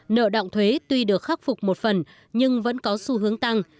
nợ động thuế tuy được khắc phục một phần nhưng vẫn có xu hướng tăng